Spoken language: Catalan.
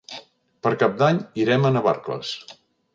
Per Cap d'Any irem a Navarcles.